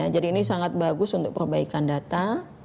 jadi ini sangat bagus untuk perbaikan data